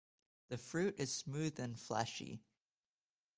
The fruit is smooth and fleshy.